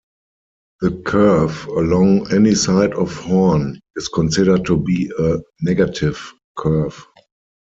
The curve along any side of horn is considered to be a negative curve.